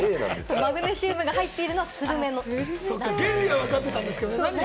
マグネシウムが入っているのはスルメということです。